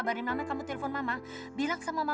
paling nodig cuma biar dia ingin tahu kamu